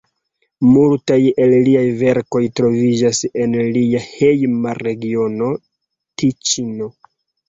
Multaj el liaj verkoj troviĝas en lia hejma regiono, Tiĉino.